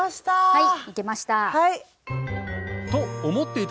はい。